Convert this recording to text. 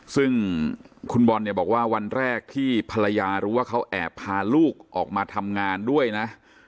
ซึ่งคุณบอลเนี่ยบอกว่าวันแรกที่ภรรยารู้ว่าเขาแอบพาลูกออกมาทำงานด้วยนะ